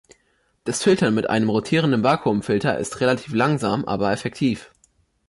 Das Filtern mit einem rotierenden Vakuumfilter ist relativ langsam, aber effektiv.